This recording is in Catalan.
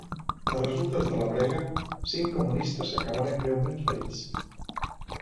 De resultes de la brega, cinc comunistes acabaren greument ferits.